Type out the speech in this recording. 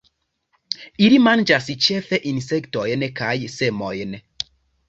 Ili manĝas ĉefe insektojn kaj semojn.